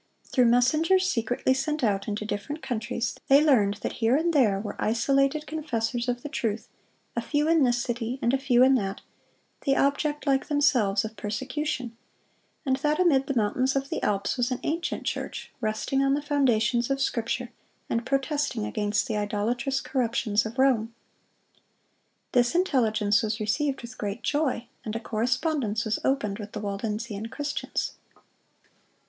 Through messengers secretly sent out into different countries, they learned that here and there were "isolated confessors of the truth, a few in this city and a few in that, the object, like themselves, of persecution; and that amid the mountains of the Alps was an ancient church, resting on the foundations of Scripture, and protesting against the idolatrous corruptions of Rome."(156) This intelligence was received with great joy, and a correspondence was opened with the Waldensian Christians.